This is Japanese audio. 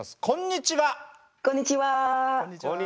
こんにちは。